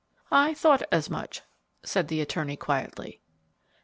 "I thought as much," said the attorney, quietly.